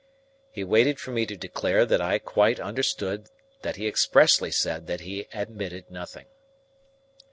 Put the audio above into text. He waited for me to declare that I quite understood that he expressly said that he admitted nothing.